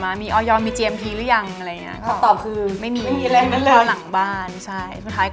อ๋อแล้วอันนี้คือเราเอาทูลมาจากไหน